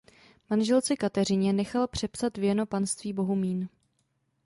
Manželce Kateřině nechal přepsat věno panství Bohumín.